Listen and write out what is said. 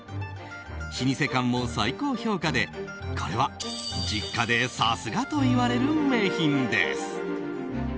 老舗感も最高評価でこれは実家でさすが！といわれる名品です。